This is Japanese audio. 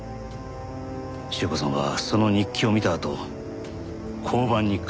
朱子さんはその日記を見たあと交番に駆け込んだ。